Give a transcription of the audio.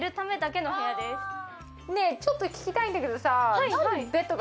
ねえちょっと聞きたいんだけどさ。